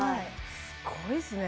すごいっすね